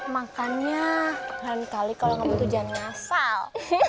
makannya lain kali kalau gak butuh jangan ngasal